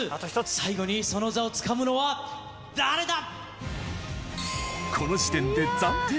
最後にその座をつかむのは誰だ？